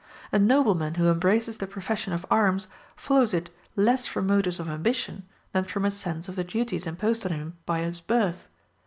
A nobleman who embraces the profession of arms follows it less from motives of ambition than from a sense of the duties imposed on him by his birth.